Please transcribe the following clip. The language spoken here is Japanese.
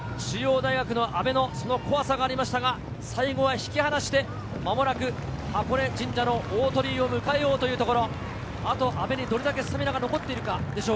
中央大学・阿部の怖さがありましたが、最後は引き離して間もなく箱根神社の大鳥居を迎えようというところ。